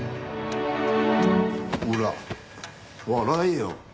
ほら笑えよ。